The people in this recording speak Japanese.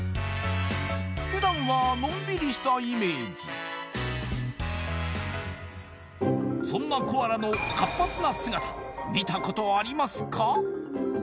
普段はのんびりしたイメージそんなコアラの活発な姿見たことありますか？